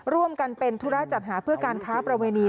ร่วมกันเป็นธุระจัดหาเพื่อการค้าประเวณี